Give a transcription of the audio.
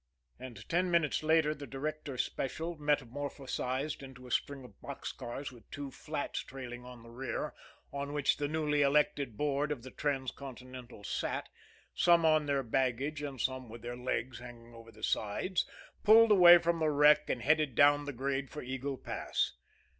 And ten minutes later, the Directors' Special, metamorphosed into a string of box cars with two flats trailing on the rear, on which the newly elected board of the Transcontinental sat, some on their baggage, and some with their legs hanging over the sides, pulled away from the wreck and headed down the grade for Eagle Pass.